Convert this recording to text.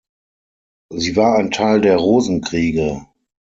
Sie war ein Teil der Rosenkriege.